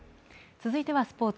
続いては、スポーツ。